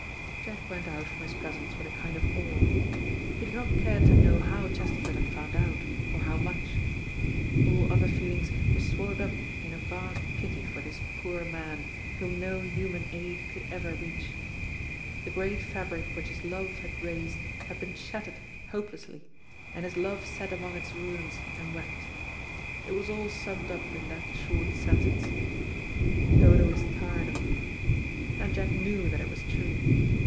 Jack went out from his presence with a kind of awe. He did not care to know how Chesterford had found out, or how much. All other feelings were swallowed up in a vast pity for this poor man, whom no human aid could ever reach. The great fabric which his love had raised had been shattered hopelessly, and his love sat among its ruins and wept. It was all summed up in that short sentence, "Dodo is tired of me," and Jack knew that it was true.